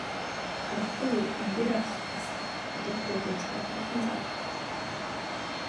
Харахгүй юу, энэ дээрээ алх бас хадууртай гээд сонирхуулан зааж үзүүлэв.